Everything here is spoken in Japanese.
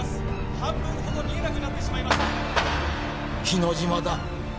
半分ほど見えなくなってしまいました日之島だ